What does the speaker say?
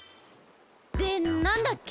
でなんだっけ？